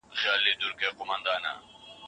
د پولیو مخنیوي لپاره جدي هڅي کیدلې.